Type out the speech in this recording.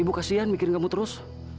ibu kasihan mikir kamu terus